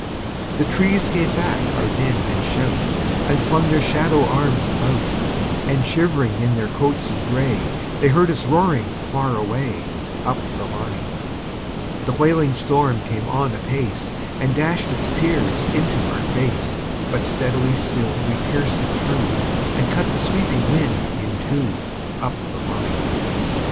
The trees gave back our din and shout, And flung their shadow arms about; And shivering in their coats of gray, They heard us roaring far away, Up the line. The wailing storm came on apace, And dashed its tears into our fade; But steadily still we pierced it through, And cut the sweeping wind in two, Up the line.